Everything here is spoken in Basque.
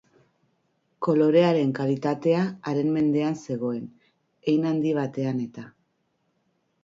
Kolorearen kalitatea haren mendean zegoen, hein handi batean, eta.